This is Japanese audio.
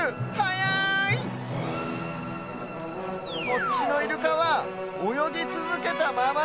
こっちのイルカはおよぎつづけたまま。